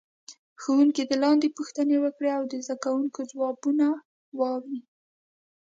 ښوونکی دې لاندې پوښتنه وکړي او د زده کوونکو ځوابونه واوري.